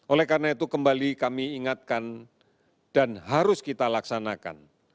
oleh karena itu kembali kami ingatkan dan harus kita laksanakan